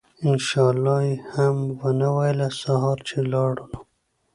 إن شاء الله ئي هم ونه ويله!! سهار چې لاړو نو